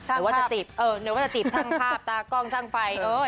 หรือว่าจะจีบช่างภาพตากล้องช่างไฟ